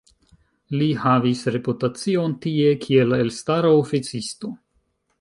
Li havis reputacion tie kiel elstara oficisto.